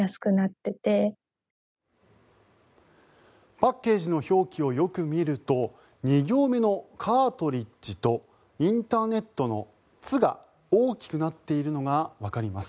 パッケージの表記をよく見ると２行目のカートリッジとインターネットのツが大きくなっているのがわかります。